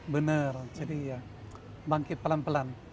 benar jadi ya bangkit pelan pelan